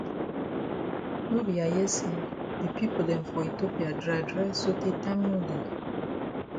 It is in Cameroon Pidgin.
No be I hear say the pipo dem for Ethiopia dry dry so tey time no dey.